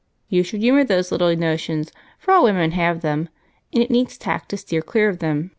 "You should humor those little notions, for all women have them, and it needs tact to steer clear of them.